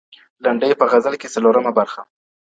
لنډۍ په غزل کي، څلورمه برخه.